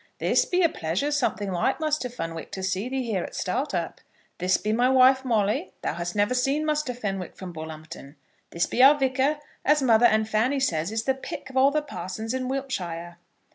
"This be a pleasure something like, Muster Fenwick, to see thee here at Startup. This be my wife. Molly, thou has never seen Muster Fenwick from Bull'umpton. This be our Vicar, as mother and Fanny says is the pick of all the parsons in Wiltshire."